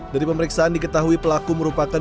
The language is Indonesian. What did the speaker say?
dari pemeriksaan diketahui pelaku merupakan